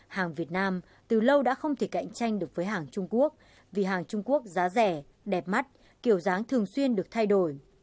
hàng việt nam từ lâu đã không thể cạnh tranh được với hàng trung quốc vì hàng trung quốc giá rẻ đẹp mắt kiểu dáng thường xuyên được thay đổi